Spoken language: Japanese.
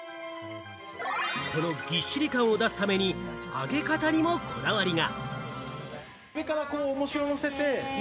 このぎっしり感を出すために、揚げ方にもこだわりが。